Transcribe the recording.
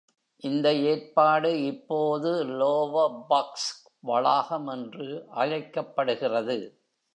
இந்த ஏற்பாடு இப்போது Lower Bucks வளாகம் என்று அழைக்கப்படுகிறது.